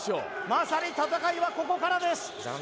まさに戦いはここからです